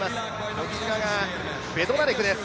こちらがベドナレクです。